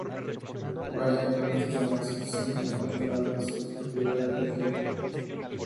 Variando estos enlaces, se ven alteradas las propiedades del gel.